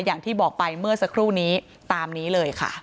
อย่างที่บอกไปเมื่อสักครู่นี้ตามนี้เลยค่ะ